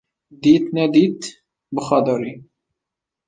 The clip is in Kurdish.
Dît nedît bi xwe de rî